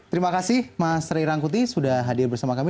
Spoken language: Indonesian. terima kasih mas ray rangkuti sudah hadir bersama kami